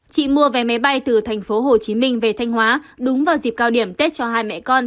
chị mua vé máy bay từ tp hcm về thanh hóa đúng vào dịp cao điểm tết cho hai mẹ con